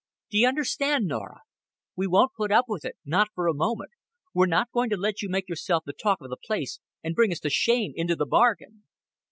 "D'you understand, Norah? We won't put up with it not for a moment. We're not going to let you make yourself the talk of the place and bring us to shame into the bargain."